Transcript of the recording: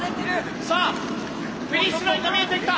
さあフィニッシュラインが見えてきた。